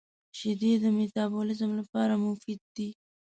• شیدې د مټابولیزم لپاره مفید دي.